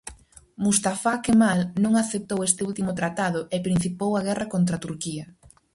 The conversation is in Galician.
Mustafá Kemal non aceptou este último tratado e principiou a guerra contra Turquía.